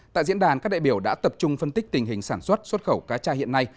tại diễn đàn các đại biểu đã tập trung phân tích tình hình sản xuất xuất khẩu cá cha hiện nay